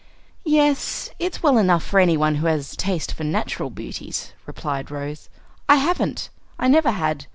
"Yes, it's well enough for any one who has a taste for natural beauties," replied Rose. "I haven't; I never had.